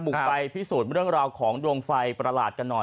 ไปพิสูจน์เรื่องราวของดวงไฟประหลาดกันหน่อย